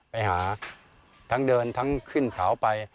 ไปหาทั้งเดินทั้งขึ้นเขาไป